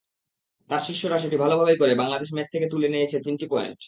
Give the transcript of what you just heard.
তাঁর শিষ্যরা সেটি ভালোভাবেই করে বাংলাদেশ ম্যাচ থেকে তুলে নিয়েছে তিনটি পয়েন্ট।